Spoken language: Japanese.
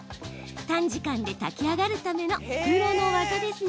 短時間で炊き上げるためのプロの技ですね。